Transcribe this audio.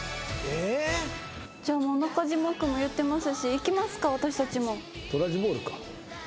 中島君も言ってますし行きますか私たちも。